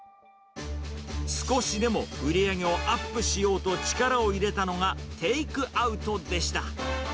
少しでも売り上げをアップしようと力を入れたのがテイクアウトでした。